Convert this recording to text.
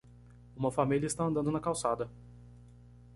Uma família está andando na calçada.